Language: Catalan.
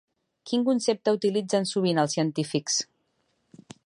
Quin concepte utilitzen sovint els científics?